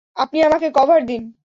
আপনি আমাকে কভার দিন।